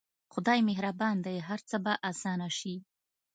خداى مهربان دى هر څه به اسانه سي.